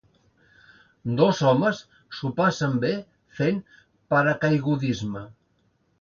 Dos homes s"ho passen bé fent paracaigudisme.